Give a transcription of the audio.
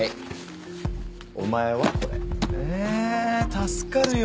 助かるよ。